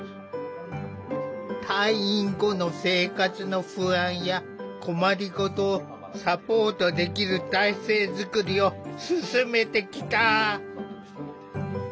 退院後の生活の不安や困りごとをサポートできる体制づくりを進めてきた。